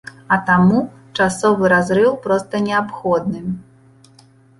А таму часовы разрыў проста неабходны.